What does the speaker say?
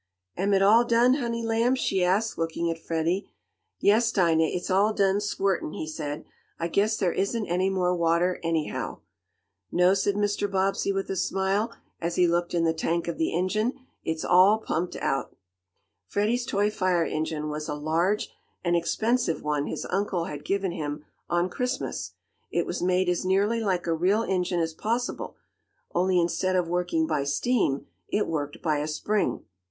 "Am it all done, honey lamb?" she asked, looking at Freddie. "Yes, Dinah! It's all done squirtin'," he said. "I guess there isn't any more water, anyhow." "No," said Mr. Bobbsey, with a smile, as he looked in the tank of the engine, "it's all pumped out." Freddie's toy fire engine was a large and expensive one his uncle had given him on Christmas. It was made as nearly like a real engine as possible, only instead of working by steam, it worked by a spring.